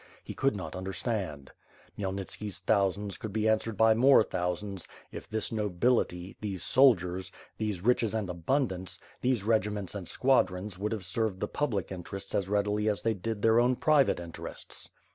He could not understand. Khmyelnitski's thousands could be answered by more thousands, if this no bility, these soldiers, these riches and abundance, these regi ments and squadrons would have served the public interests as readily as they did their own private interests.